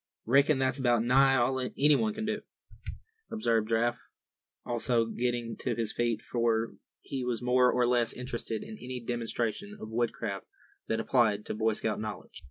"Reckon that's about nigh all anybody can do," observed Giraffe, also getting to his feet; for he was more or less interested in any demonstration of woodcraft that applied to Boy Scout knowledge.